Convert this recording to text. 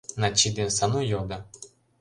— Начи деч Сану йодо.